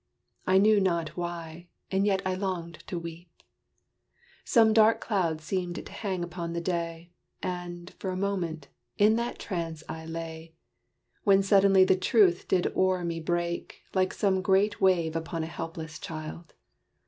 I knew not why, and yet I longed to weep. Some dark cloud seemed to hang upon the day; And, for a moment, in that trance I lay, When suddenly the truth did o'er me break, Like some great wave upon a helpless child.